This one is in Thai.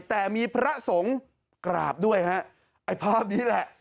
แต่มีพระสงฆ์กราบด้วยฮะไอ้ภาพนี้แหละ